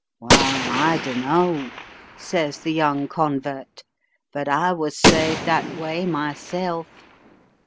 "Wall, I dunno," says the young convert, "but I was saved that way myself.